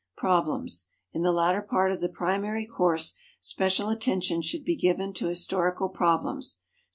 Problems. In the latter part of the primary course special attention should be given to historical problems.